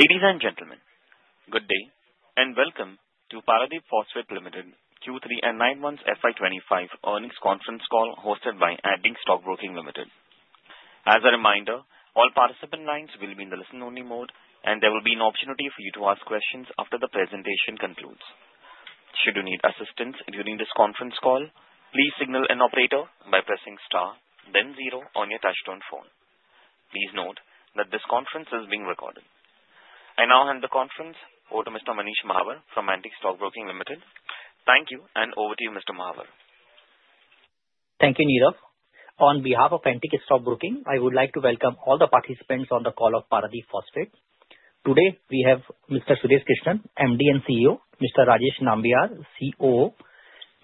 Ladies and gentlemen, good day and welcome to Paradeep Phosphates Limited Q3 and 9M FY 2025 earnings conference call hosted by Antique Stock Broking Limited. As a reminder, all participant lines will be in the listen-only mode, and there will be an opportunity for you to ask questions after the presentation concludes. Should you need assistance during this conference call, please signal an operator by pressing star, then zero on your touch-tone phone. Please note that this conference is being recorded. I now hand the conference over to Mr. Manish Mahawar from Antique Stock Broking Limited. Thank you, and over to you, Mr. Mahawar. Thank you, Nirav. On behalf of Antique Stock Broking, I would like to welcome all the participants on the call of Paradeep Phosphates. Today, we have Mr. Suresh Krishnan, MD and CEO, Mr. Rajeev Nambiar, COO,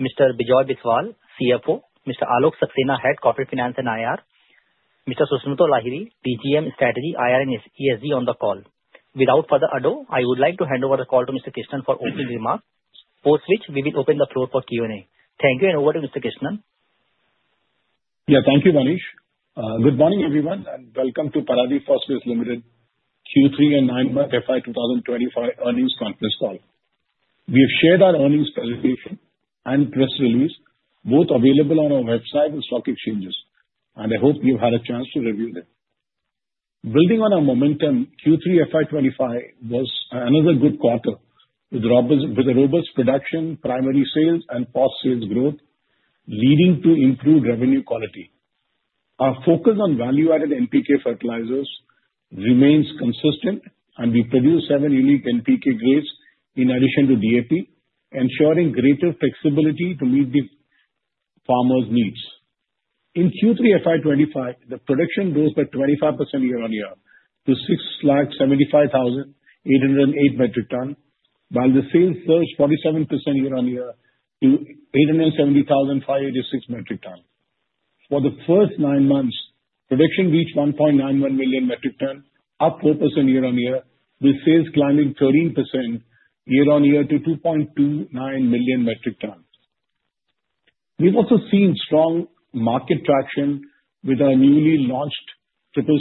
Mr. Bijoy Biswal, CFO, Mr. Alok Saxena, Head, Corporate Finance and IR, Mr. Susnato Lahiri, DGM Strategy, IR and ESG on the call. Without further ado, I would like to hand over the call to Mr. Krishnan for opening remarks, post which we will open the floor for Q&A. Thank you, and over to Mr. Krishnan. Yeah, thank you, Manish. Good morning, everyone, and welcome to Paradeep Phosphates Limited Q3 and 9M FY 2025 earnings conference call. We have shared our earnings presentation and press release, both available on our website and stock exchanges, and I hope you've had a chance to review them. Building on our momentum, Q3 FY 2025 was another good quarter with robust production, primary sales, and post-sales growth, leading to improved revenue quality. Our focus on value-added NPK fertilizers remains consistent, and we produce seven unique NPK grades in addition to DAP, ensuring greater flexibility to meet the farmers' needs. In Q3 FY 2025, the production rose by 25% year-on-year to 675,808 metric tons, while the sales surged 47% year-on-year to 870,586 metric tons. For the first nine months, production reached 1.91 million metric tons, up 4% year-on-year, with sales climbing 13% year-on-year to 2.29 million metric tons. We've also seen strong market traction with our newly launched Triple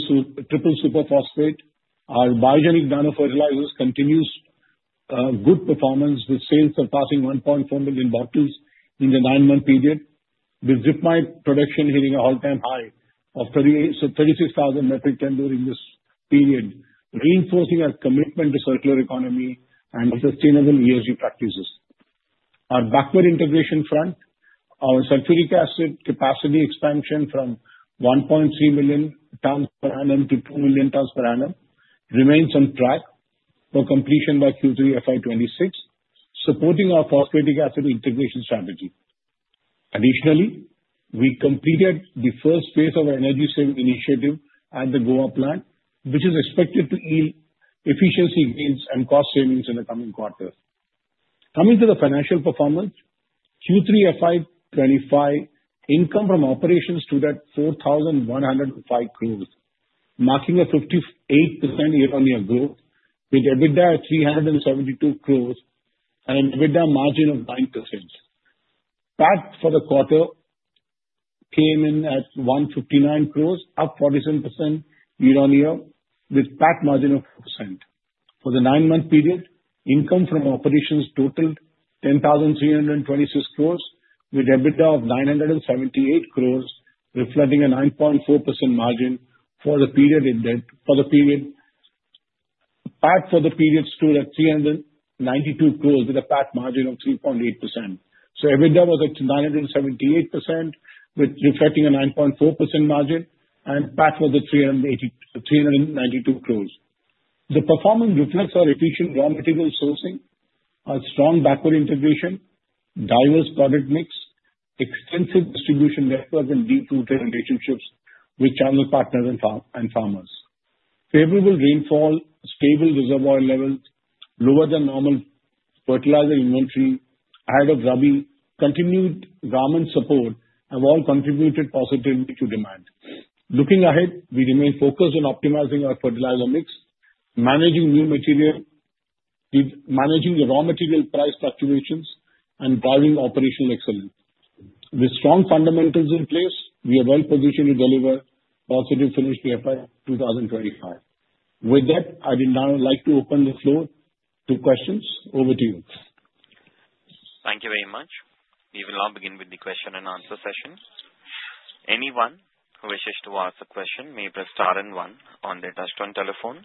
Super Phosphate. Our Biogenic nano-fertilizers continue good performance, with sales surpassing 1.4 million bottles in the nine-month period, with Zypmite production hitting an all-time high of 36,000 metric tons during this period, reinforcing our commitment to a circular economy and sustainable ESG practices. On the backward integration front, our sulfuric acid capacity expansion from 1.3 million tons per annum to 2 million tons per annum remains on track for completion by Q3 FY 2026, supporting our phosphoric acid integration strategy. Additionally, we completed the first phase of our energy-saving initiative at the Goa plant, which is expected to yield efficiency gains and cost savings in the coming quarter. Coming to the financial performance, Q3 FY 2025 income from operations stood at 4,105 crore, marking a 58% year-on-year growth, with EBITDA at 372 crore and an EBITDA margin of 9%. PAT for the quarter came in at 159 crore, up 47% year-on-year, with PAT margin of 4%. For the nine-month period, income from operations totaled 10,326 crore, with EBITDA of 978 crore, reflecting a 9.4% margin for the period. PAT for the period stood at 392 crore, with a PAT margin of 3.8%. So EBITDA was at 978 crore, reflecting a 9.4% margin, and PAT was at 392 crore. The performance reflects our efficient raw material sourcing, our strong backward integration, diverse product mix, extensive distribution networks, and deep-rooted relationships with channel partners and farmers. Favorable rainfall, stable reservoir levels, lower-than-normal fertilizer inventory ahead of Rabi, continued government support have all contributed positively to demand. Looking ahead, we remain focused on optimizing our fertilizer mix, managing raw material, managing the raw material price fluctuations, and driving operational excellence. With strong fundamentals in place, we are well positioned to deliver positive financial year for 2025. With that, I would now like to open the floor to questions. Over to you. Thank you very much. We will now begin with the question and answer session. Anyone who wishes to ask a question may press star and one on their touch-tone telephone.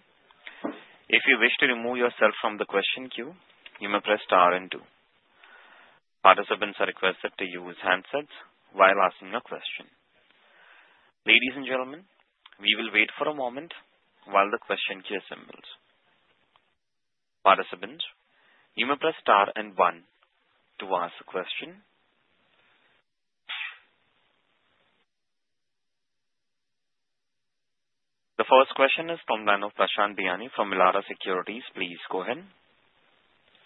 If you wish to remove yourself from the question queue, you may press star and two. Participants are requested to use handsets while asking a question. Ladies and gentlemen, we will wait for a moment while the question queue assembles. Participants, you may press star and one to ask a question. The first question is from the line of Prashant Biyani from Elara Securities. Please go ahead.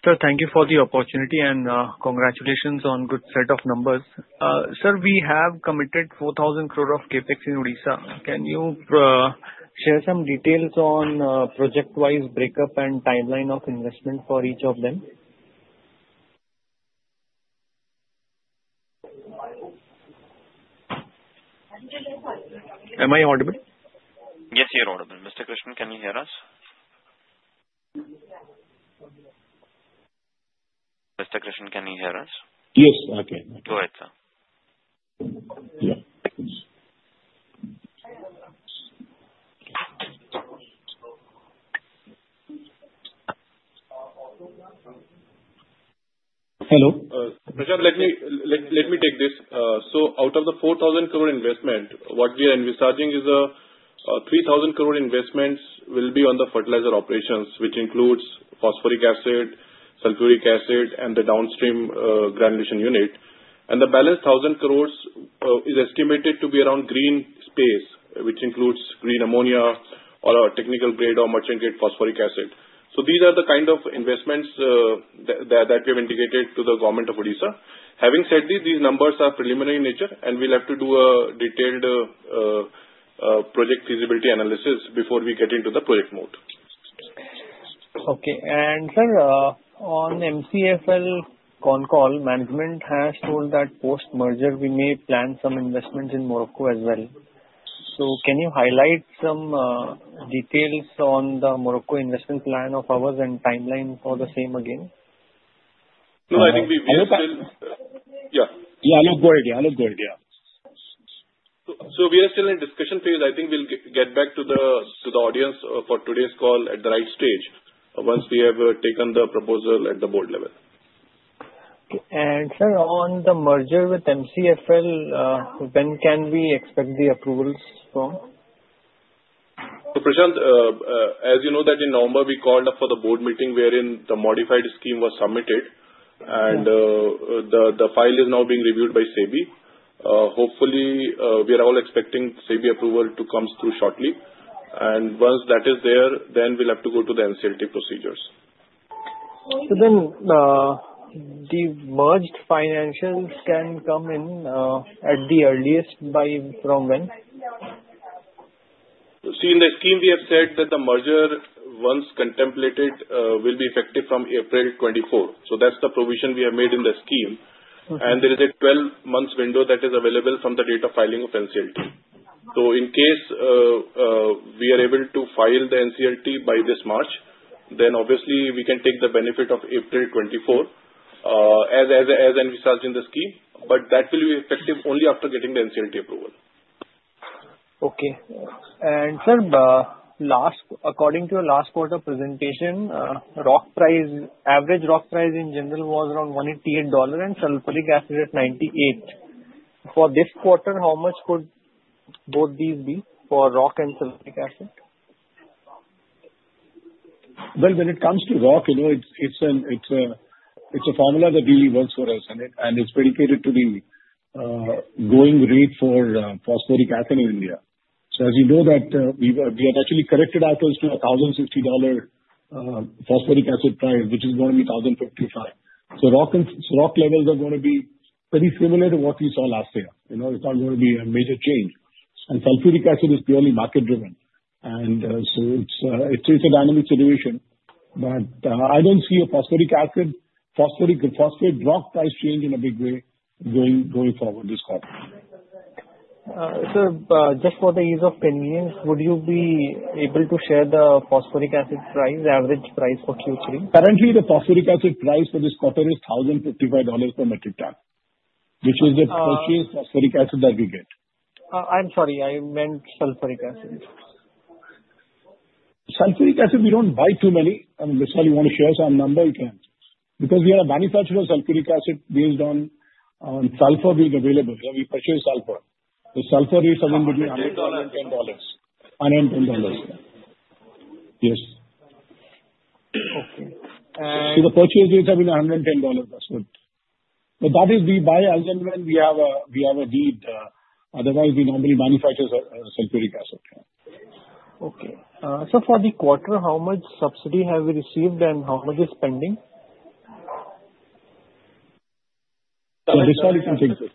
Sir, thank you for the opportunity, and congratulations on a good set of numbers. Sir, we have committed 4,000 crore of CapEx in Odisha. Can you share some details on project-wise breakup and timeline of investment for each of them? Am I audible? Yes, you're audible. Mr. Krishnan, can you hear us? Mr. Krishnan, can you hear us? Yes, I can. Go ahead, sir. Hello. Let me take this. Out of the 4,000 crore investment, what we are envisaging is 3,000 crore investments will be on the fertilizer operations, which includes phosphoric acid, sulfuric acid, and the downstream granulation unit. The balance, 1,000 crore, is estimated to be around green space, which includes green ammonia or a technical grade or merchant grade phosphoric acid. These are the kind of investments that we have indicated to the Government of Odisha. Having said this, these numbers are preliminary in nature, and we'll have to do a detailed project feasibility analysis before we get into the project mode. Okay. And sir, on the MCFL con call, management has told that post-merger, we may plan some investments in Morocco as well. So can you highlight some details on the Morocco investment plan of ours and timeline for the same again? No, I think we are still. What is that? Yeah. Yeah, look, go ahead. Yeah. We are still in discussion phase. I think we'll get back to the audience for today's call at the right stage once we have taken the proposal at the board level. Sir, on the merger with MCFL, when can we expect the approvals from? So Prashant, as you know, that in November, we called up for the board meeting wherein the modified scheme was submitted, and the file is now being reviewed by SEBI. Hopefully, we are all expecting SEBI approval to come through shortly. And once that is there, then we'll have to go to the NCLT procedures. So then the merged financials can come in at the earliest from when? See, in the scheme, we have said that the merger, once contemplated, will be effective from April 24. So that's the provision we have made in the scheme. And there is a 12-month window that is available from the date of filing of NCLT. So in case we are able to file the NCLT by this March, then obviously, we can take the benefit of April 24 as envisaged in the scheme. But that will be effective only after getting the NCLT approval. Okay. And sir, according to your last quarter presentation, average rock price in general was around $188 and sulfuric acid at $98. For this quarter, how much could both these be for rock and sulfuric acid? When it comes to rock, it's a formula that really works for us, and it's predicated to the going rate for phosphoric acid in India. So as you know, we have actually corrected our cost to a $1,050 phosphoric acid price, which is going to be $1,055. So rock levels are going to be pretty similar to what we saw last year. It's not going to be a major change. And sulfuric acid is purely market-driven. And so it's a dynamic situation. But I don't see a phosphoric acid, phosphoric rock price change in a big way going forward this quarter. Sir, just for the ease of convenience, would you be able to share the phosphoric acid price, average price for Q3? Currently, the phosphoric acid price for this quarter is $1,055 per metric ton, which is the purchase phosphoric acid that we get. I'm sorry, I meant sulfuric acid. Sulfuric acid, we don't buy too many. I mean, if you want to share some number, you can. Because we are a manufacturer of sulfuric acid based on sulfur being available. We purchase sulfur. The sulfur rates have been between $110 and $10. Yes. Okay. So the purchase rates have been $110. But that is, we buy as and when we have a need. Otherwise, we normally manufacture sulfuric acid. Okay. So for the quarter, how much subsidy have we received and how much is pending? This one, you can take this.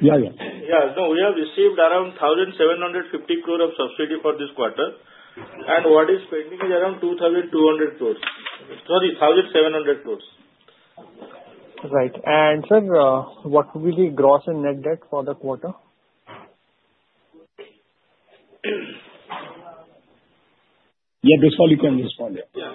Yeah, yeah. Yeah. No, we have received around 1,750 crore of subsidy for this quarter. And what is pending is around 2,200 crore. Sorry, 1,700 crore. Right. And sir, what will be the gross and net debt for the quarter? Yeah, this one, you can respond. Yeah.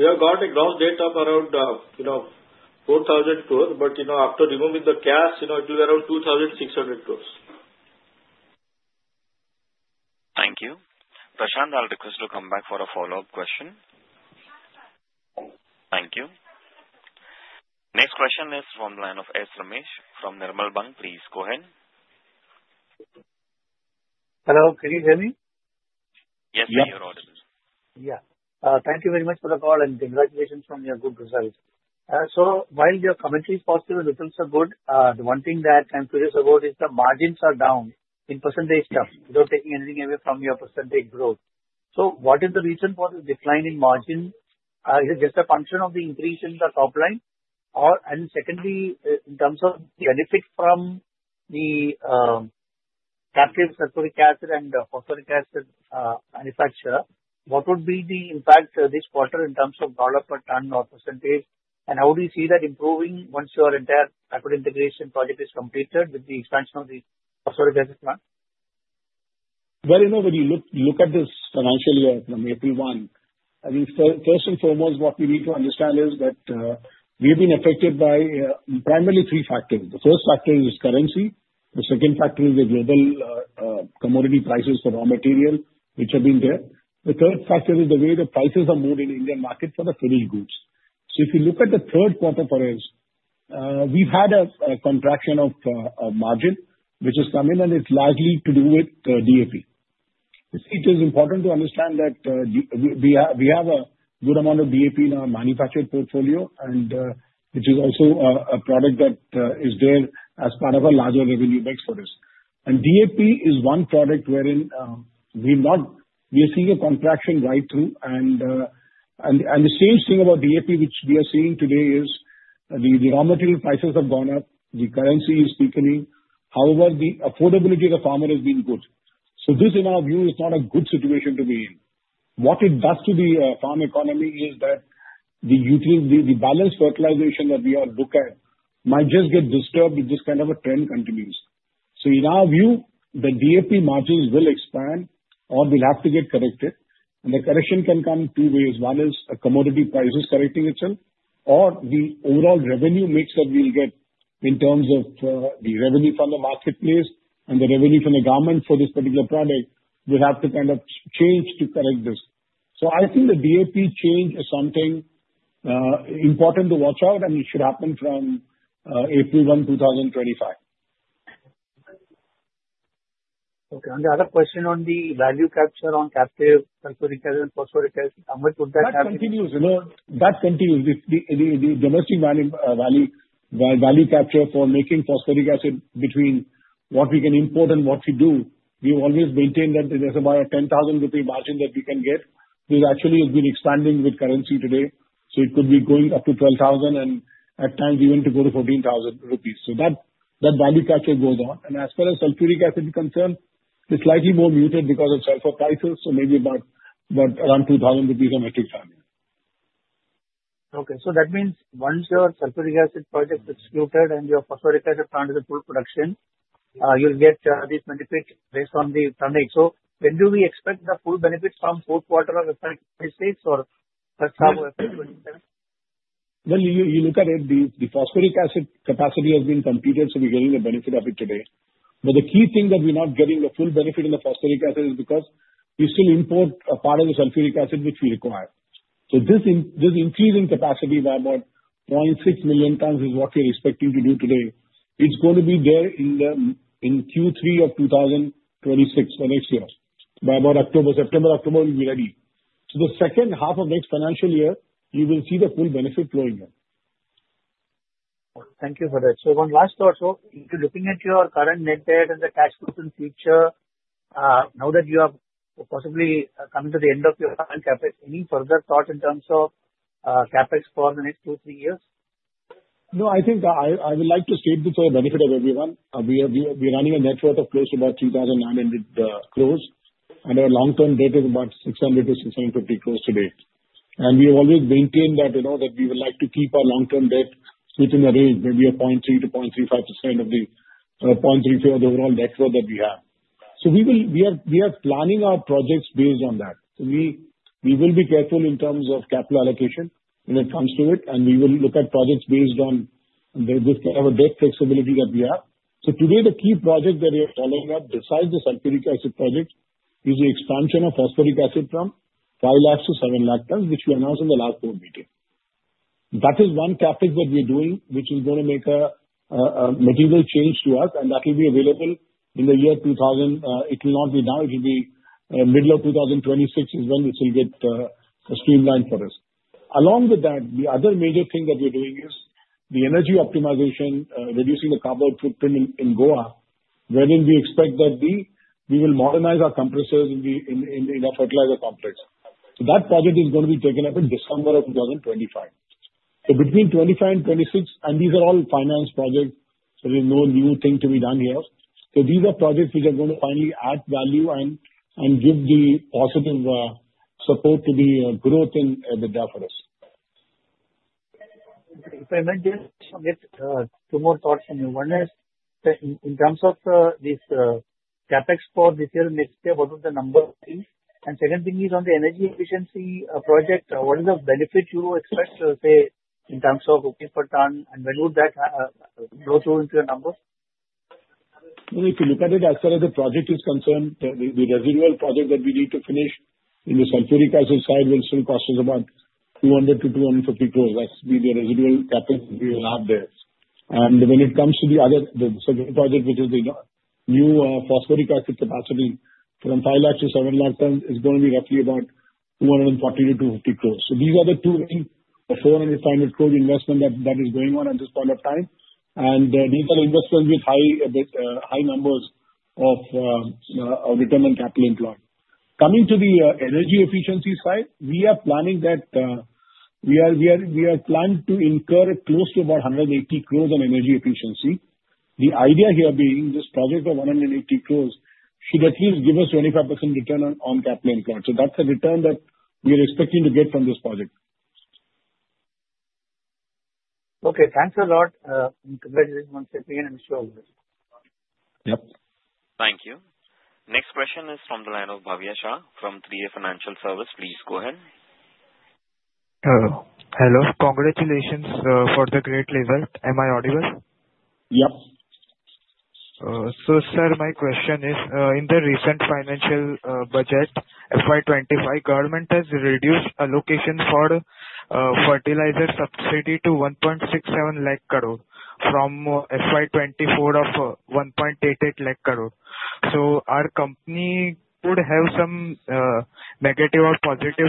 We have got a gross debt of around 4,000 crore, but after removing the cash, it will be around 2,600 crore. Thank you. Prashant, I'll request to come back for a follow-up question. Thank you. Next question is from the line of S. Ramesh from Nirmal Bang. Please go ahead. Hello. Can you hear me? Yes, we are audible. Yes. Thank you very much for the call and congratulations on your good results. So while your commentary is positive and the results are good, the one thing that I'm curious about is the margins are down in percentage terms. You're taking anything away from your percentage growth. So what is the reason for the decline in margin? Is it just a function of the increase in the top line? And secondly, in terms of the benefit from the captive sulfuric acid and phosphoric acid manufacturer, what would be the impact this quarter in terms of dollar per ton or percentage? And how do you see that improving once your entire backward integration project is completed with the expansion of the phosphoric acid plant? When you look at this financial year from April 1, I think first and foremost, what we need to understand is that we've been affected by primarily three factors. The first factor is currency. The second factor is the global commodity prices for raw material, which have been there. The third factor is the way the prices are moved in the Indian market for the finished goods. If you look at the third quarter for us, we've had a contraction of margin, which has come in, and it's largely to do with DAP. It is important to understand that we have a good amount of DAP in our manufactured portfolio, which is also a product that is there as part of a larger revenue mix for us. DAP is one product wherein we are seeing a contraction right through. And the same thing about DAP, which we are seeing today, is the raw material prices have gone up. The currency is weakening. However, the affordability of the farmer has been good. So this, in our view, is not a good situation to be in. What it does to the farm economy is that the balanced fertilization that we all look at might just get disturbed if this kind of a trend continues. So in our view, the DAP margins will expand or will have to get corrected. And the correction can come two ways. One is commodity prices correcting itself, or the overall revenue mix that we'll get in terms of the revenue from the marketplace and the revenue from the government for this particular product will have to kind of change to correct this. So I think the DAP change is something important to watch out, and it should happen from April 1, 2025. Okay. And the other question on the value capture on captive sulfuric acid and phosphoric acid, how much would that have? That continues. The domestic value capture for making phosphoric acid between what we can import and what we do, we've always maintained that there's about an 10,000 crore rupee margin that we can get, which actually has been expanding with currency today. So it could be going up to 12,000 crore and at times even to go to 14,000 crore rupees. So that value capture goes on. And as far as sulfuric acid is concerned, it's slightly more muted because of sulfur prices. So maybe about around 2,000 crore rupees a metric ton. Okay. So that means once your sulfuric acid project is excluded and your phosphoric acid plant is in full production, you'll get this benefit based on the. So when do we expect the full benefit from fourth quarter of FY 2026 or first half of FY 2027? You look at it, the phosphoric acid capacity has been completed, so we're getting the benefit of it today. But the key thing that we're not getting the full benefit in the phosphoric acid is because we still import a part of the sulfuric acid, which we require. So this increase in capacity by about 0.6 million tons is what we're expecting to do today. It's going to be there in Q3 of 2026 or next year, by about September, October we'll be ready. So the second half of next financial year, you will see the full benefit flowing in. Thank you for that. So one last thought. So looking at your current net debt and the debt profile in future, now that you are possibly coming to the end of your current CapEx, any further thoughts in terms of CapEx for the next two, three years? No, I think I would like to state this for the benefit of everyone. We are running a net worth of close to about 3,900 crore. And our long-term debt is about 600-650 crore today. And we have always maintained that we would like to keep our long-term debt within a range, maybe a 0.3-0.35% of the 0.34 of the overall net worth that we have. So we are planning our projects based on that. So we will be careful in terms of capital allocation when it comes to it. And we will look at projects based on this kind of a debt flexibility that we have. So today, the key project that we are following up, besides the sulfuric acid project, is the expansion of phosphoric acid from 5 lakh to 7 lakh tons, which we announced in the last board meeting. That is one CapEx that we're doing, which is going to make a material change to us, and that will be available in the year 2026. It will not be now. It will be middle of 2026 is when this will get streamlined for us. Along with that, the other major thing that we're doing is the energy optimization, reducing the carbon footprint in Goa, wherein we expect that we will modernize our compressors in our fertilizer complex, so that project is going to be taken up in December of 2025. So between 2025 and 2026, and these are all finance projects, so there's no new thing to be done here. So these are projects which are going to finally add value and give the positive support to the growth in EBITDA for us. So if I may just get two more thoughts from you. One is, in terms of this CapEx for this year, next year, what would the number be? And second thing is on the energy efficiency project, what is the benefit you expect, say, in terms of per ton? And when would that go through into your numbers? If you look at it, as far as the project is concerned, the residual project that we need to finish in the sulfuric acid side will still cost us about 200 crore-250 crore. That's been the residual CapEx we will have there. And when it comes to the other project, which is the new phosphoric acid capacity from 5 lakh-7 lakh tons, it's going to be roughly about 240 crore-250 crore. So these are the two main 400 crore-500 crore investment that is going on at this point of time. And these are investments with high numbers of return on capital employed. Coming to the energy efficiency side, we are planning to incur close to about 180 crore on energy efficiency. The idea here being this project of 180 crore should at least give us 25% return on capital employed. So that's the return that we are expecting to get from this project. Okay. Thanks a lot. Congratulations once again and show of hands. Yep. Thank you. Next question is from the line of Bhavya Shah from 3A Financial Services. Please go ahead. Hello. Congratulations for the great result. Am I audible? Yep. So, sir, my question is, in the recent financial budget, FY 2025, government has reduced allocation for fertilizer subsidy to 1.67 lakh from FY 2024 of 1.88 lakh. So our company could have some negative or positive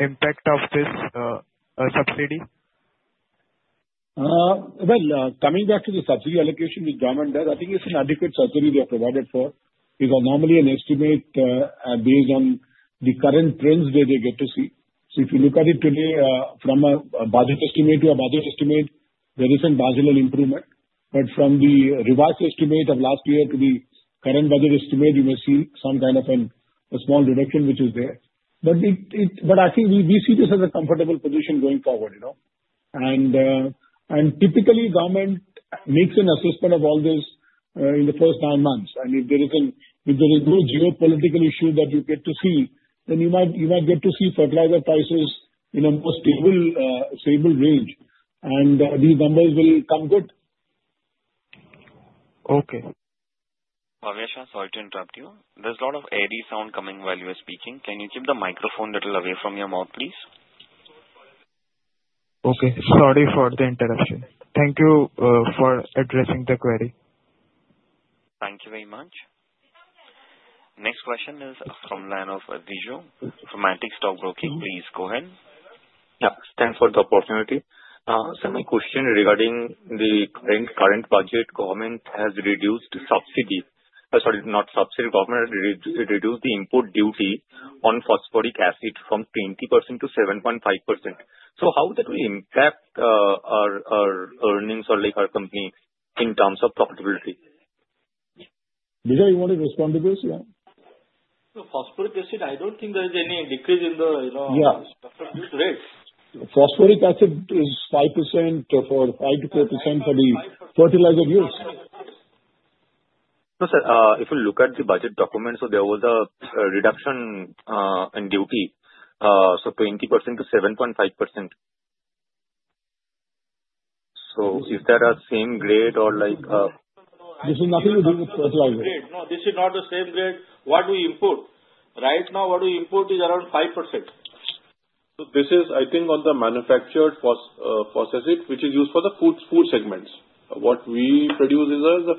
impact of this subsidy? Coming back to the subsidy allocation which government does, I think it's an adequate subsidy they are provided for. It's normally an estimate based on the current trends where they get to see. So if you look at it today from a budget estimate to a budget estimate, there isn't marginal improvement. But from the revised estimate of last year to the current budget estimate, you may see some kind of a small reduction which is there. But I think we see this as a comfortable position going forward. And typically, government makes an assessment of all this in the first nine months. And if there is no geopolitical issue that you get to see, then you might get to see fertilizer prices in a more stable range. And these numbers will come good. Okay. Shah, sorry to interrupt you. There's a lot of airy sound coming while you are speaking. Can you keep the microphone a little away from your mouth, please? Okay. Sorry for the interruption. Thank you for addressing the query. Thank you very much. Next question is from the line of Riju. From Antique Stock Broking, please go ahead. Yeah. Thanks for the opportunity. Sir, my question regarding the current budget. Government has reduced the subsidy, sorry, not subsidy. Government has reduced the import duty on phosphoric acid from 20%-7.5%. So how will that impact our earnings or our company in terms of profitability? Did I want to respond to this? Yeah. Phosphoric acid, I don't think there is any decrease in the phosphoric use rate. Phosphoric Acid is 5% for 5%-4% for the fertilizer use. No sir, if you look at the budget document, so there was a reduction in duty, so 20%-7.5%. So is that a same grade or? This is nothing to do with fertilizer. No, this is not the same grade. What we input right now, what we input is around 5%. So this is, I think, on the manufactured phosphoric acid, which is used for the food segments. What we produce is a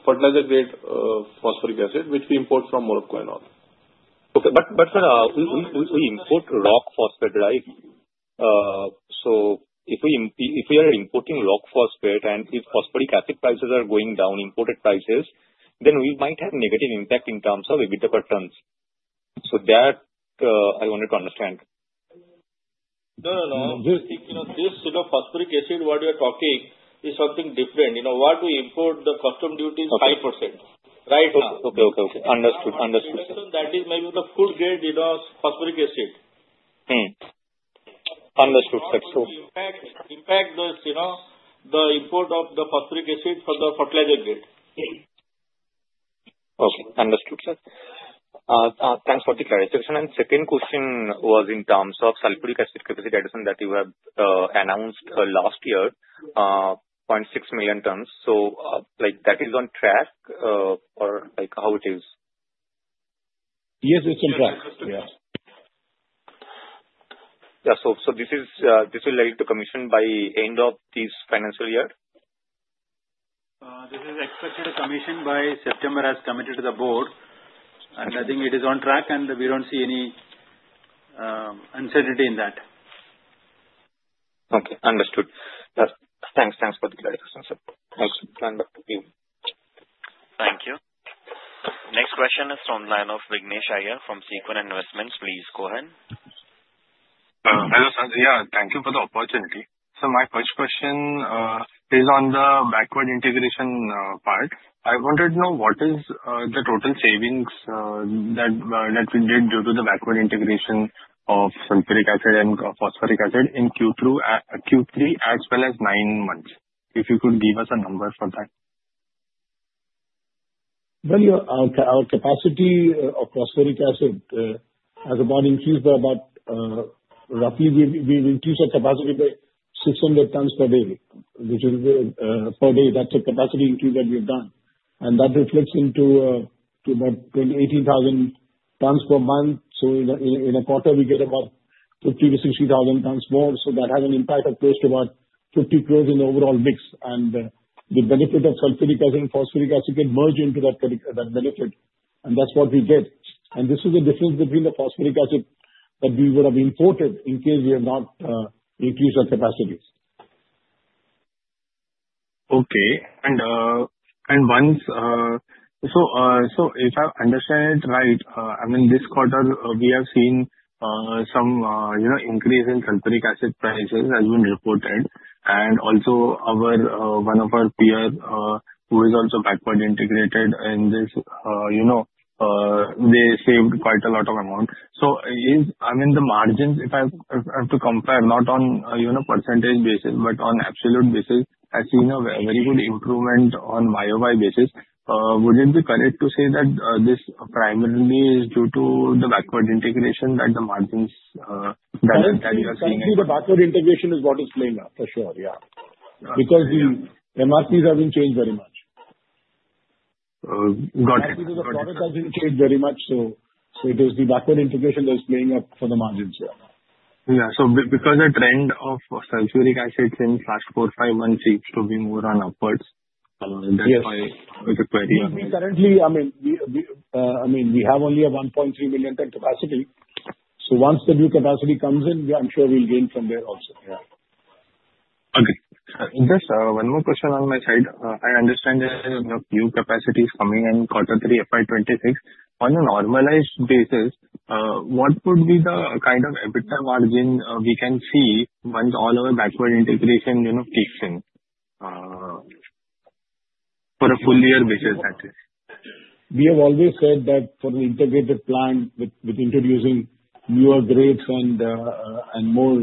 fertilizer-grade phosphoric acid, which we import from Morocco and all. Okay. But sir, we input rock phosphate, right? So if we are importing rock phosphate and if phosphoric acid prices are going down, imported prices, then we might have negative impact in terms of EBITDA per tons. So that I wanted to understand. No, no, no. This phosphoric acid, what you are talking is something different. What we input, the customs duty is 5% right now. Okay, okay, okay. Understood, understood. So that is maybe the full grade phosphoric acid. Understood. So it will impact the import of the phosphoric acid for the fertilizer grade. Okay. Understood, sir. Thanks for the clarification. And second question was in terms of sulfuric acid capacity addition that you have announced last year, 0.6 million tons. So that is on track or how it is? Yes, it's on track. Yeah. Yeah. So this will lead to commissioning by end of this financial year? This is expected to commission by September as committed to the board, and I think it is on track, and we don't see any uncertainty in that. Okay. Understood. Thanks. Thanks for the clarification, sir. Thanks. Panel back to you. Thank you. Next question is from the line of Vignesh Iyer from Sequent Investments. Please go ahead. Hello Sandeep. Yeah. Thank you for the opportunity. So my first question is on the backward integration part. I wanted to know what is the total savings that we did due to the backward integration of sulfuric acid and phosphoric acid in Q3 as well as nine months. If you could give us a number for that. Our capacity of phosphoric acid has about increased by about roughly we've increased our capacity by 600 tons per day, which is per day. That's a capacity increase that we have done. And that reflects into about 18,000 tons per month. So in a quarter, we get about 50,000 tons-60,000 tons more. So that has an impact of close to about 50 crore in the overall mix. And the benefit of sulfuric acid and phosphoric acid can merge into that benefit. And that's what we did. And this is the difference between the phosphoric acid that we would have imported in case we have not increased our capacity. Okay. And so if I understand it right, I mean, this quarter, we have seen some increase in sulfuric acid prices has been reported. And also, one of our peers who is also backward integrated in this, they saved quite a lot of amount. So I mean, the margins, if I have to compare, not on a percentage basis, but on absolute basis, I've seen a very good improvement on year-on-year basis. Would it be correct to say that this primarily is due to the backward integration that the margins that you are seeing? I think the backward integration is what is playing out for sure. Yeah. Because the MRPs have been changed very much. Got it. So the product has been changed very much. So it is the backward integration that is playing up for the margins here. Yeah. So because the trend of sulfuric acid since last four, five months seems to be more on upwards. That's why the query on it. Currently, I mean, we have only a 1.3 million ton capacity. So once the new capacity comes in, I'm sure we'll gain from there also. Yeah. Okay. Just one more question on my side. I understand there is a new capacity is coming in quarter three, FY 2026. On a normalized basis, what would be the kind of EBITDA margin we can see once all our backward integration kicks in for a full year basis, that is? We have always said that for an integrated plant with introducing newer grades and more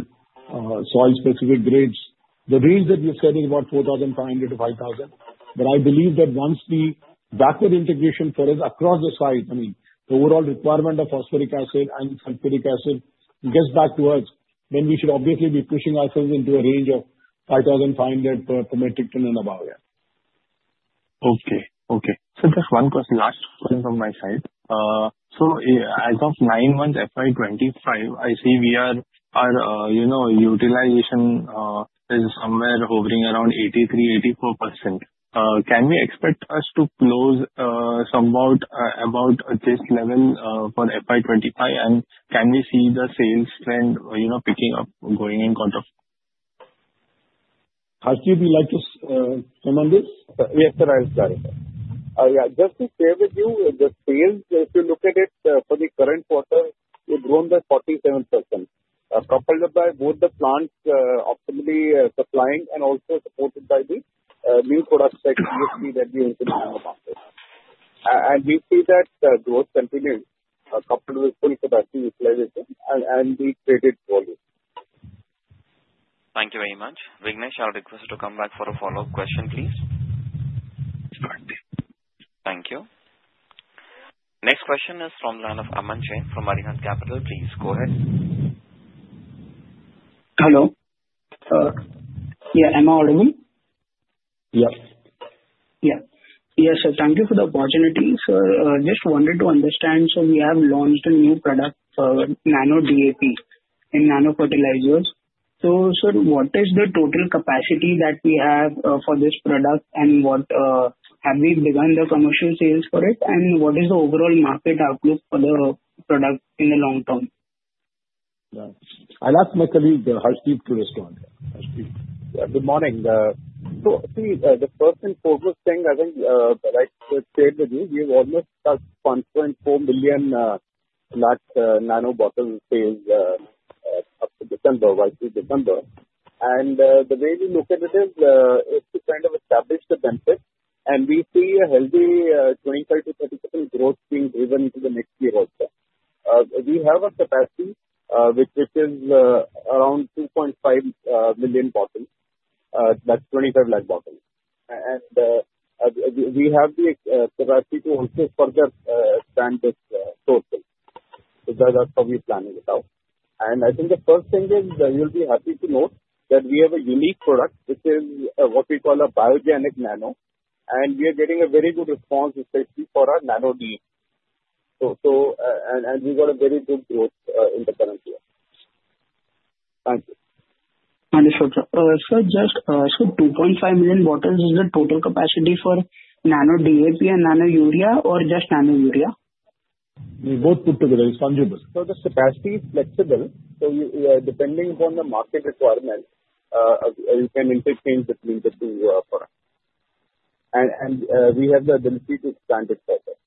soil-specific grades, the range that we've said is about 4,500-5,000. But I believe that once the backward integration for us across the site, I mean, the overall requirement of phosphoric acid and sulfuric acid gets back to us, then we should obviously be pushing ourselves into a range of 5,500 per metric ton and above. Yeah. Okay. Okay. So just one question, last question from my side. So as of nine months FY 2025, I see we are utilization is somewhere hovering around 83%-84%. Can we expect us to close somewhat about this level for FY 2025? And can we see the sales trend picking up, going in quarter? Harshdeep like to comment on this? Yes, sir. I'll clarify. Yeah. Just to share with you, the sales, if you look at it for the current quarter, we've grown by 47%, coupled by both the plants optimally supplying and also supported by the new products that we have been introducing in the market. And we see that growth continues coupled with full capacity utilization and we created volume. Thank you very much. Vignesh, I'll request you to come back for a follow-up question, please. Certainly. Thank you. Next question is from the line of Aman Jain from Arihant Capital. Please go ahead. Hello. Yeah. Am I audible? Yes. Yeah. Yes, sir. Thank you for the opportunity. Sir, just wanted to understand. So we have launched a new product, Nano DAP, in nano-fertilizers. So sir, what is the total capacity that we have for this product? And have we begun the commercial sales for it? And what is the overall market outlook for the product in the long term? Yeah. I'll ask my colleague, Harshdeep, to respond. Harshdeep. Good morning. So see, the first and foremost thing I think I should share with you, we've almost touched 1.4 million nano bottles sales up to December, YTD through December. And the way we look at it is to kind of establish the benefit. And we see a healthy 25%-30% growth being driven into the next year also. We have a capacity which is around 2.5 million bottles. That's 25 lakh bottles. And we have the capacity to also further expand this sourcing. So that's how we're planning it out. And I think the first thing is we'll be happy to note that we have a unique product, which is what we call a Biogenic Nano. And we are getting a very good response, especially for our nano DAP. And we've got a very good growth in the current year. Thank you. Understood. So sir, just 2.5 million bottles is the total capacity for Nano DAP and Nano Urea, or just Nano Urea? Both put together. It's fungible. So the capacity is flexible. So depending upon the market requirement, you can interchange between the two products. And we have the ability to expand it further.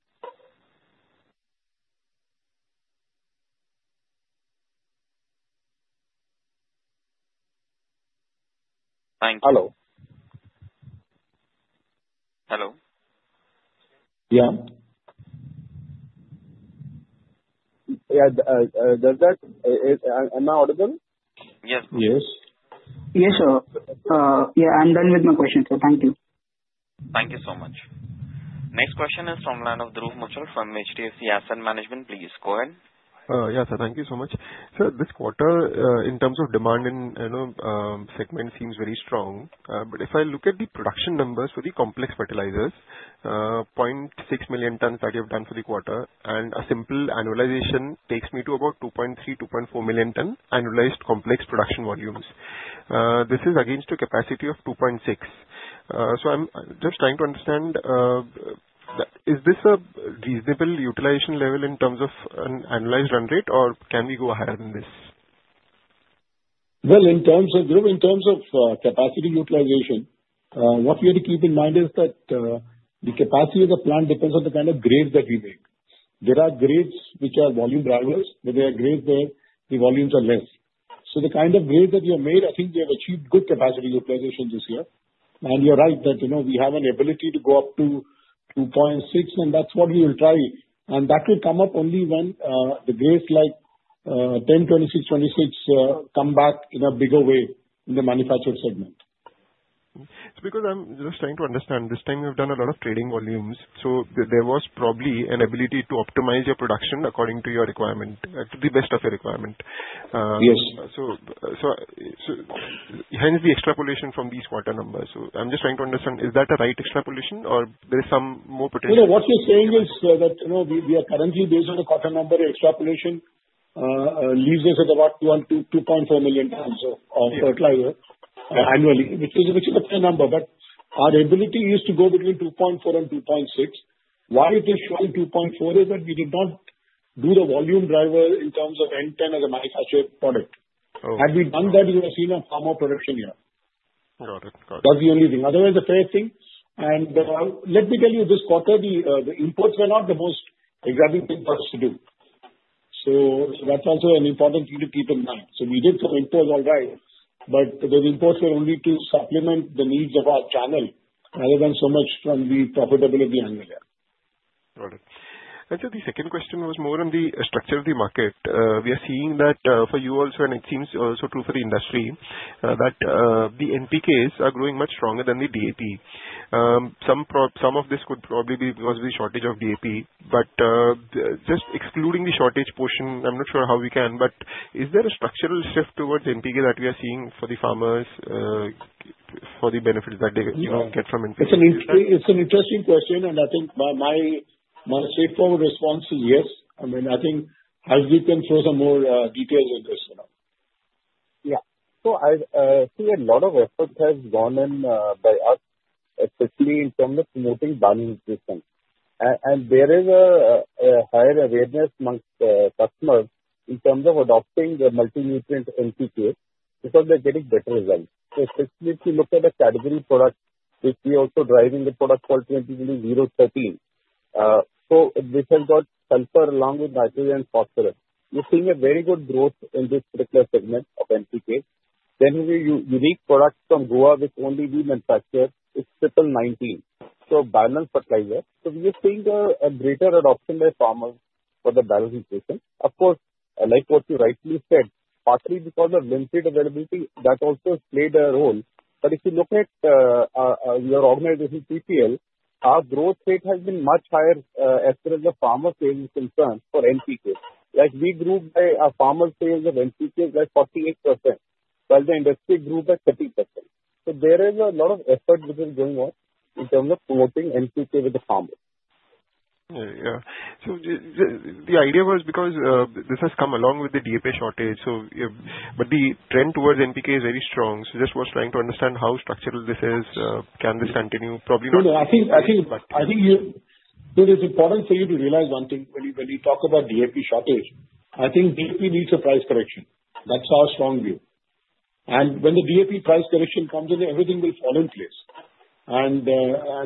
Thank you. Hello. Hello? Yeah. Yeah. Am I audible? Yes. Yes. Yes, sir. Yeah. I'm done with my question, sir. Thank you. Thank you so much. Next question is from the line of Dhruv Muchhal from HDFC Asset Management. Please go ahead. Yeah, sir. Thank you so much. Sir, this quarter, in terms of demand in segment, seems very strong. But if I look at the production numbers for the complex fertilizers, 0.6 million tons that you have done for the quarter, and a simple annualization takes me to about 2.3 million-2.4 million tons annualized complex production volumes. This is against a capacity of 2.6. So I'm just trying to understand, is this a reasonable utilization level in terms of an annualized run rate, or can we go higher than this? In terms of Dhruv, in terms of capacity utilization, what we have to keep in mind is that the capacity of the plant depends on the kind of grade that we make. There are grades which are volume drivers, but there are grades where the volumes are less. So the kind of grade that you have made, I think we have achieved good capacity utilization this year. And you're right that we have an ability to go up to 2.6, and that's what we will try. And that will come up only when the grades like 10:26:26 come back in a bigger way in the manufactured segment. It's because I'm just trying to understand. This time, you have done a lot of trading volumes. So there was probably an ability to optimize your production according to your requirement, to the best of your requirement. Yes. So hence the extrapolation from these quarter numbers. So I'm just trying to understand, is that a right extrapolation, or there is some more potential? What you're saying is that we are currently based on the quarter number extrapolation leaves us at about 2.4 million tons of fertilizer annually, which is a fair number. But our ability is to go between 2.4 and 2.6. Why it is showing 2.4 is that we did not do the volume driver in terms of end-to-end as a manufactured product. Had we done that, we would have seen a far more production here. Got it. Got it. That's the only thing. Otherwise, a fair thing. And let me tell you, this quarter, the imports were not the most exciting thing for us to do. So that's also an important thing to keep in mind. So we did some imports all right, but those imports were only to supplement the needs of our channel rather than so much from the profitability angle. Yeah. Got it. Actually, the second question was more on the structure of the market. We are seeing that for you also, and it seems also true for the industry, that the NPKs are growing much stronger than the DAP. Some of this could probably be because of the shortage of DAP. But just excluding the shortage portion, I'm not sure how we can, but is there a structural shift towards NPK that we are seeing for the farmers for the benefits that they get from NPK? It's an interesting question, and I think my straightforward response is yes. I mean, I think Harshdeep can throw some more details on this. Yeah. So I see a lot of effort has gone in by us, especially in terms of promoting boron nutrition. And there is a higher awareness amongst customers in terms of adopting the multi-nutrient NPK because they're getting better results. So especially if you look at the category product, which we are also driving the product called 20:20:0:13. So this has got sulfur along with nitrogen and phosphorus. We're seeing a very good growth in this particular segment of NPK. Then we have a unique product from Goa which only we manufacture. It's 19:19:19, so balance fertilizer. So we are seeing a greater adoption by farmers for the boron nutrition. Of course, like what you rightly said, partly because of limited availability, that also played a role. If you look at your organization's PPL, our growth rate has been much higher as far as the farmer sales is concerned for NPK. We grew by a farmer's sales of NPK by 48%, while the industry grew by 30%. There is a lot of effort which is going on in terms of promoting NPK with the farmers. Yeah. Yeah. So the idea was because this has come along with the DAP shortage. But the trend towards NPK is very strong. So just was trying to understand how structural this is. Can this continue? Probably not. I think it is important for you to realize one thing. When we talk about DAP shortage, I think DAP needs a price correction. That's our strong view, and when the DAP price correction comes in, everything will fall in place.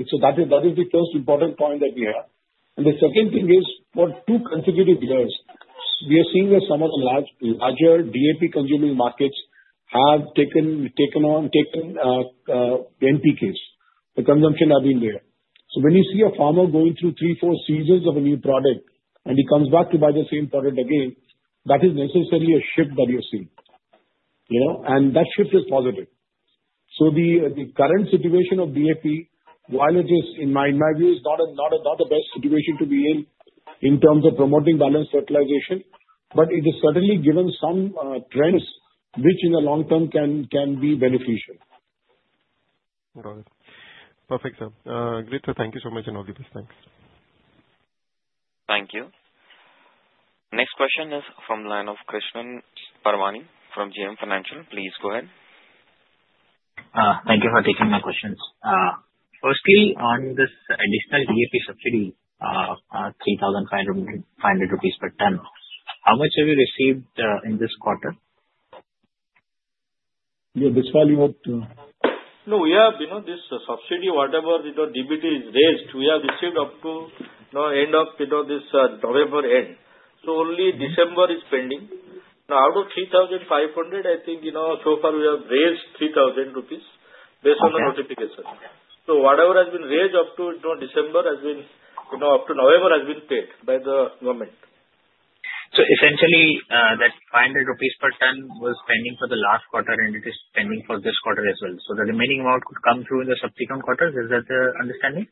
So that is the first important point that we have. The second thing is, for two consecutive years, we are seeing that some of the larger DAP-consuming markets have taken on NPKs. The consumption has been there. So when you see a farmer going through three, four seasons of a new product, and he comes back to buy the same product again, that is necessarily a shift that you're seeing. That shift is positive. The current situation of DAP, while it is, in my view, not the best situation to be in terms of promoting balanced fertilization, but it has certainly given some trends which, in the long term, can be beneficial. Got it. Perfect, sir. Great. So thank you so much, and all the best. Thanks. Thank you. Next question is from the line of Krishan Parwani from JM Financial. Please go ahead. Thank you for taking my questions. Firstly, on this additional DAP subsidy, 3,500 rupees per ton, how much have you received in this quarter? Yeah. This fall, you want to? No, we have this subsidy. Whatever the DAP is raised, we have received up to the end of this November. So only December is pending. Now, out of 3,500, I think so far we have raised 3,000 rupees based on the notification. So whatever has been raised up to November has been paid by the government. So essentially, that 500 rupees per ton was pending for the last quarter, and it is pending for this quarter as well. So the remaining amount could come through in the subsequent quarters. Is that the understanding?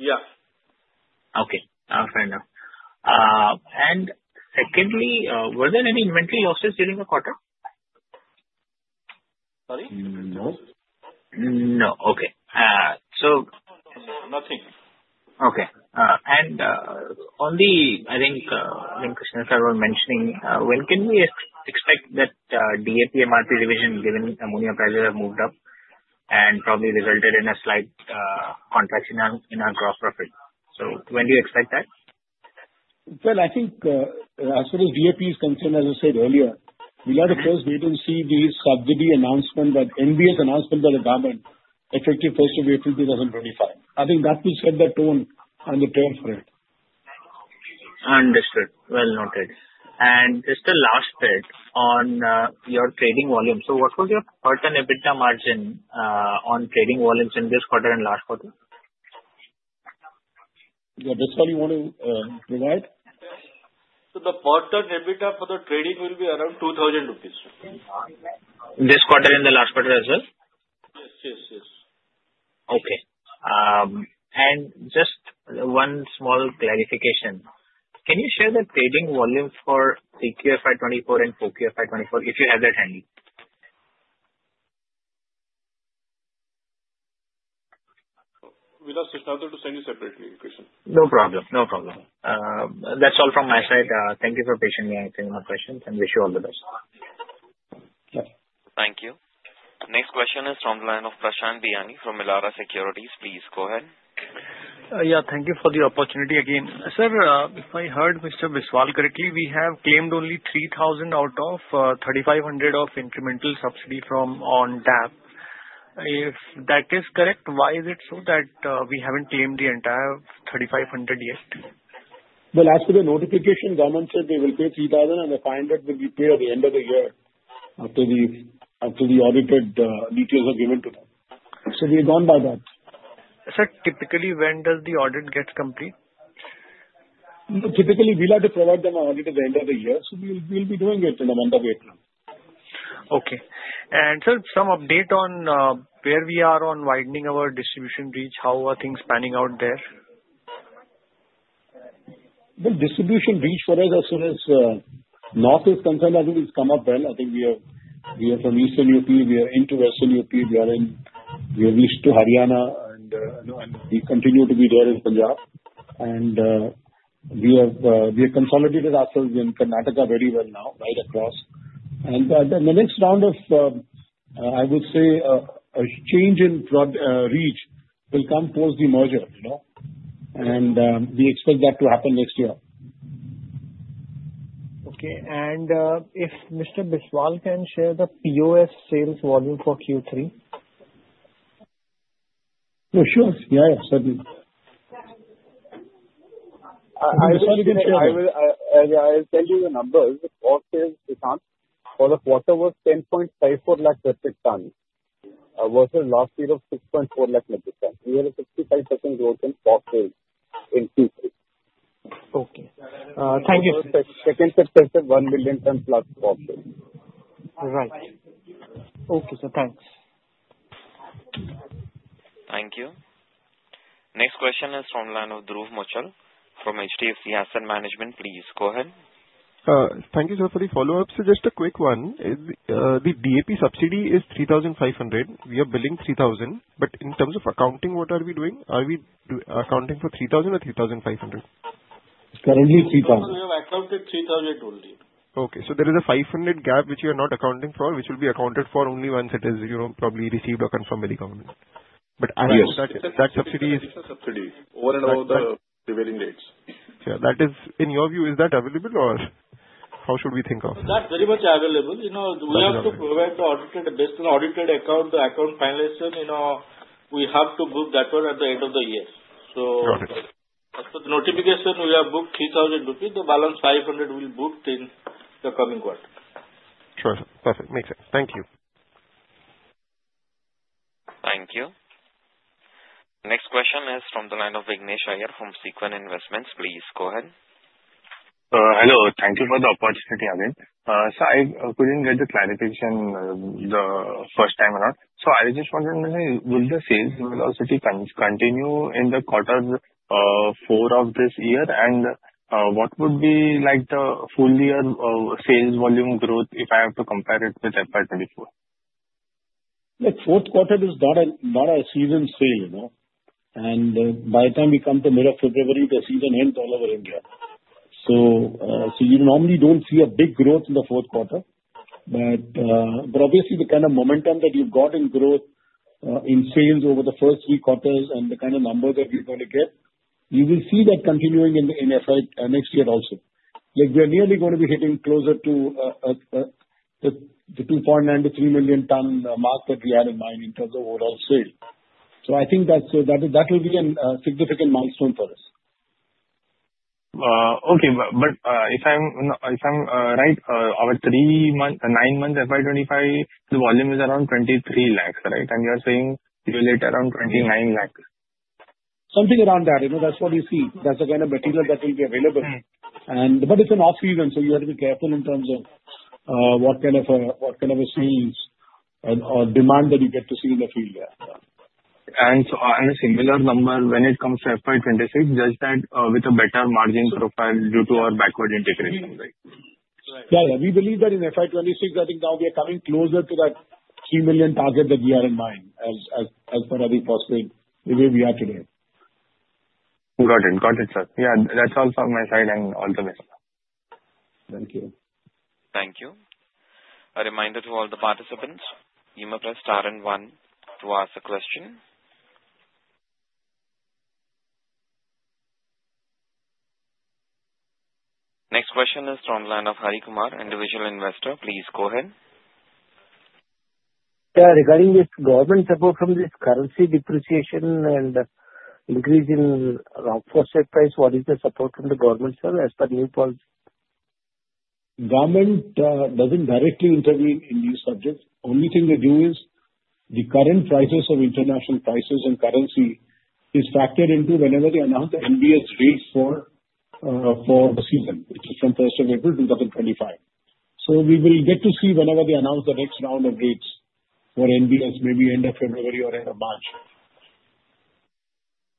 Yeah. Okay. I'll find out. And secondly, were there any inventory losses during the quarter? Sorry? No. No. Okay. So. Nothing. Okay. And I think Krishnan sir were mentioning, when can we expect that DAP MRP revision, given ammonia prices have moved up and probably resulted in a slight contraction in our gross profit? So when do you expect that? I think as far as DAP is concerned, as I said earlier, we are the first to receive the subsidy announcement, that NBS announcement by the government, effective 1st of April 2025. I think that will set the tone on the terms for it. Understood. Well noted. And just the last bit on your trading volume. So what was your per-ton EBITDA margin on trading volumes in this quarter and last quarter? Yeah. That's all you want to provide? The per-ton EBITDA for the trading will be around INR 2,000. This quarter and the last quarter as well? Yes. Yes. Yes. Okay. And just one small clarification. Can you share the trading volume for 3Q FY 2024 and 4Q FY 2024, if you have that handy? We'll ask Krishnan sir to send you separately, Krishnan. No problem. No problem. That's all from my side. Thank you for patiently answering my questions, and wish you all the best. Thank you. Next question is from the line of Prashant Biyani from Elara Securities. Please go ahead. Yeah. Thank you for the opportunity again. Sir, if I heard Mr. Biswal correctly, we have claimed only 3,000 crore out of 3,500 crore of incremental subsidy from on DAP. If that is correct, why is it so that we haven't claimed the entire 3,500 crore yet? As per the notification, government said they will pay 3,000 crore, and INR 500 crore will be paid at the end of the year after the audited details are given to them, so we are gone by that. Sir, typically, when does the audit get complete? Typically, we like to provide them an audit at the end of the year, so we'll be doing it in the month of April. Okay. And, sir, some update on where we are on widening our distribution reach? How are things panning out there? Distribution reach for us, as far as north is concerned, I think it's come up well. I think we have from Eastern UP, we are into Western UP, we are reached to Haryana, and we continue to be there in Punjab. We have consolidated ourselves in Karnataka very well now, right across. The next round of, I would say, a change in reach will come post the merger. We expect that to happen next year. Okay. And if Mr. Biswal can share the POS sales volume for Q3? Oh, sure. Yeah. Yeah. Certainly. I'm sorry, you can share that. I'll tell you the numbers. POS sales discount for the quarter was 10.54 lakh metric tons versus last year of 6.4 lakh metric tons. We had a 65% growth in POS sales in Q3. Okay. Thank you. Second success is 1 million tons plus POS sales. Right. Okay, sir. Thanks. Thank you. Next question is from the line of Dhruv Muchhal from HDFC Asset Management. Please go ahead. Thank you, sir, for the follow-up. So just a quick one. The DAP subsidy is 3,500. We are billing 3,000. But in terms of accounting, what are we doing? Are we accounting for 3,000 or 3,500? Currently, 3,000. We have accounted 3,000 only. Okay, so there is a 500 gap which we are not accounting for, which will be accounted for only once it is probably received or confirmed by the government, but that subsidy is. That's the subsidy. Over and above the prevailing rates. Yeah. In your view, is that available, or how should we think of? That's very much available. We have to provide the audited based on the audited account, the account finalization. We have to book that one at the end of the year. So as per the notification, we have booked 3,000 rupees. The balance 500 will be booked in the coming quarter. Sure. Perfect. Makes sense. Thank you. Thank you. Next question is from the line of Vignesh Iyer from Sequent Investments. Please go ahead. Hello. Thank you for the opportunity again. So I couldn't get the clarification the first time around. So I just wanted to know, will the sales velocity continue in the quarter four of this year? And what would be the full-year sales volume growth if I have to compare it with FY 2024? Look, fourth quarter is not a season sale, and by the time we come to mid of February, the season ends all over India, so you normally don't see a big growth in the fourth quarter. But obviously, the kind of momentum that you've got in growth in sales over the first three quarters and the kind of numbers that we're going to get, you will see that continuing in FY next year also. We are nearly going to be hitting closer to the 2.9 million-3 million tons mark that we had in mind in terms of overall sale, so I think that will be a significant milestone for us. Okay, but if I'm right, over nine months FY 2025, the volume is around 23 lakhs, right? And you are saying you will hit around 29 lakhs. Something around that. That's what you see. That's the kind of material that will be available. But it's an off-season, so you have to be careful in terms of what kind of a sales or demand that you get to see in the field. And a similar number when it comes to FY 2026, just that with a better margin profile due to our backward integration, right? Yeah. We believe that in FY 2026, I think now we are coming closer to that 3 million target that we had in mind as far as we possibly we are today. Got it. Got it, sir. Yeah. That's all from my side and all the best. Thank you. Thank you. A reminder to all the participants, you may press star and one to ask a question. Next question is from the line of Harikumar, Individual Investor. Please go ahead. Yeah. Regarding this government support from this currency depreciation and increase in fertilizer price, what is the support from the government, sir, as per new policy? Government doesn't directly intervene in these subjects. The only thing they do is the current international prices and currency is factored into whenever they announce the NBS rates for the season, which is from 1st of April 2025. So we will get to see whenever they announce the next round of rates for NBS, maybe end of February or end of March.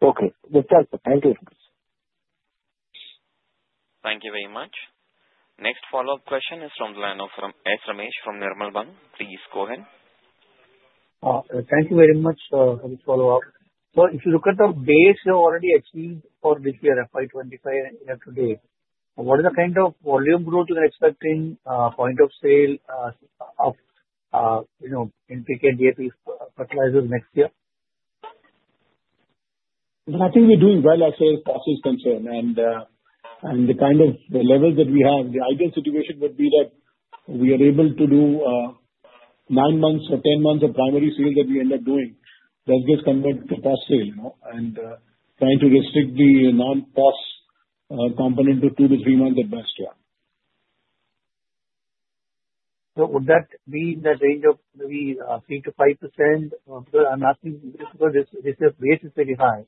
Okay. That's all, sir. Thank you. Thank you very much. Next follow-up question is from the line of S. Ramesh from Nirmal Bang. Please go ahead. Thank you very much for the follow-up. So if you look at the base you already achieved for this year, FY 2025 and year to date, what is the kind of volume growth you can expect in point of sale of NPK DAP fertilizers next year? I think we're doing well as far as cost is concerned. And the kind of level that we have, the ideal situation would be that we are able to do nine months or 10 months of primary sales that we end up doing, that gets converted to POS. And trying to restrict the non-POS component to two to three months at best, yeah. So would that mean that range of maybe 3%-5%? I'm asking because this base is very high.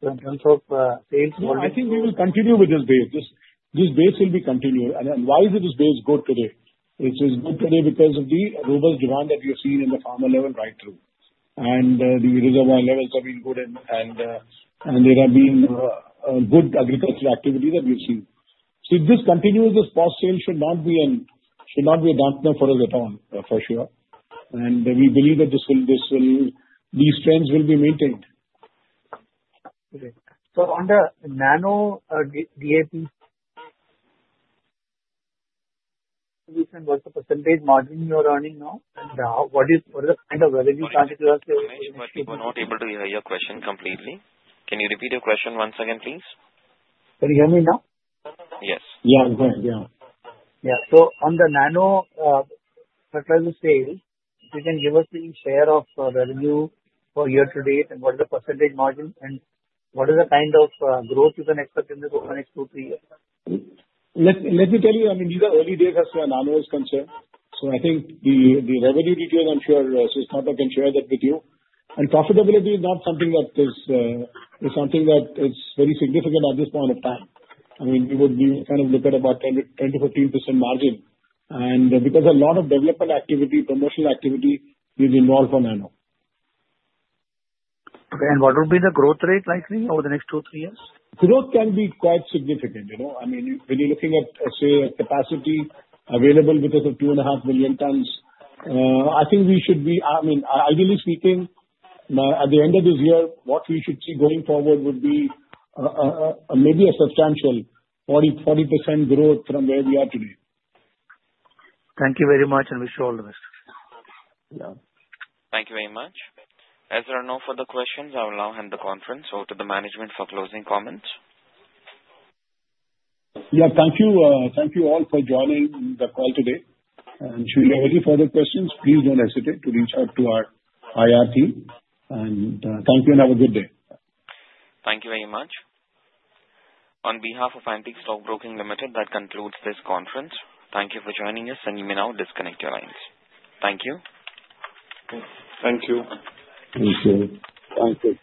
So in terms of sales volume. I think we will continue with this base. This base will be continued. And why is this base good today? It is good today because of the robust demand that we have seen in the farmer level right through. And the reservoir levels have been good, and there have been good agricultural activity that we have seen. So if this continues, this post-sale should not be a dampener for us at all, for sure. And we believe that these trends will be maintained. On the Nano DAP, what's the percentage margin you are earning now? What is the kind of revenue target you are saying? We were not able to hear your question completely. Can you repeat your question once again, please? Can you hear me now? Yes. Yeah. Go ahead. Yeah. Yeah. So on the nano-fertilizer sales, if you can give us the share of revenue for year to date, and what is the percentage margin, and what is the kind of growth you can expect in the next two to three years? Let me tell you, I mean, these are early days as far as nano is concerned, so I think the revenue details, I'm sure Krishnan can share that with you, and profitability is not something that is very significant at this point of time. I mean, we would be kind of look at about 10%-15% margin, and because a lot of development activity, promotional activity is involved for nano. Okay. And what will be the growth rate likely over the next two to three years? Growth can be quite significant. I mean, when you're looking at, say, capacity available because of 2.5 million tons, I think we should be I mean, ideally speaking, at the end of this year, what we should see going forward would be maybe a substantial 40% growth from where we are today. Thank you very much, and we're sold, Mr. Thank you very much. As there are no further questions, I will now hand the conference over to the management for closing comments. Yeah. Thank you all for joining the call today, and should you have any further questions, please don't hesitate to reach out to our IR team, and thank you, and have a good day. Thank you very much. On behalf of Antique Stock Broking Limited, that concludes this conference. Thank you for joining us, and you may now disconnect your lines. Thank you. Thank you. Thank you. Thank you.